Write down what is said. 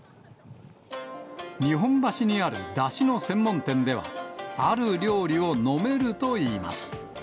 日本橋にあるだしの専門店では、ある料理を飲めるといいます。